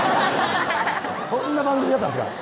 そんな番組だったんですか？